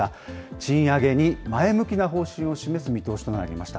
賃上げに前向きな方針を示す見通しとなりました。